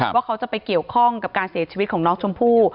ว่าเขาจะไปเกี่ยวข้องกับการเสียชีวิตของน้องชมพู่